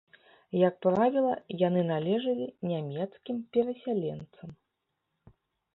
Як правіла, яны належылі нямецкім перасяленцам.